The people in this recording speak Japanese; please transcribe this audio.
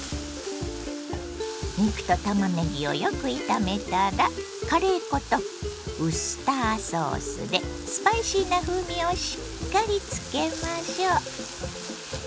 肉とたまねぎをよく炒めたらカレー粉とウスターソースでスパイシーな風味をしっかりつけましょ。